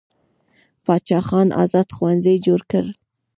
باچا خان ازاد ښوونځي جوړ کړل.